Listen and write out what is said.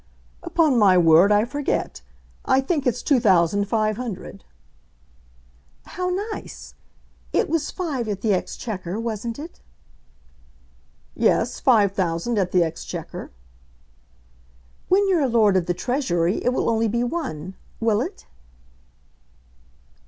"Upon my word, I forget. I think it's two thousand five hundred." "How nice! It was five at the Exchequer, wasn't it?" "Yes; five thousand at the Exchequer." "When you're a Lord of the Treasury it will only be one; will it?"